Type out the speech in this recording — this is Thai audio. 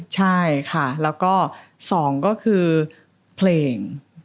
ใช่ค่ะแล้วก็๒ก็คือเพลง